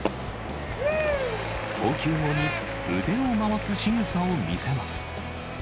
投球後に腕を回すしぐさを見せます。